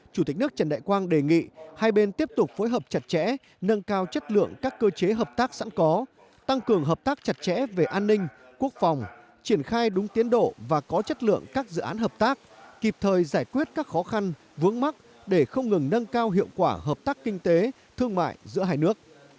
chủ tịch nước trần đại quang đề nghị hai bên tiếp tục phối hợp chặt chẽ nâng cao chất lượng các cơ chế hợp tác sẵn có tăng cường hợp tác chặt chẽ về an ninh quốc phòng triển khai đúng tiến độ và có chất lượng các dự án hợp tác kịp thời giải quyết các khó khăn vướng mắt để không ngừng nâng cao hiệu quả hợp tác kinh tế thương mại giữa hai nước